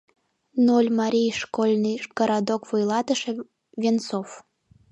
Нольмарий школьный городок вуйлатыше Венцов.